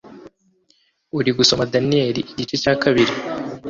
Uri gusoma daniyeli igice cya kabiri